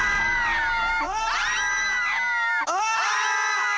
ああ！